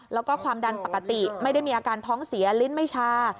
แล้วก็ความดันปกติไม่ได้มีอาการท้องเสียลิ้นไม่ชา